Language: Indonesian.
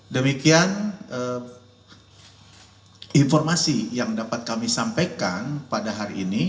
demikian informasi yang dapat kami sampaikan pada hari ini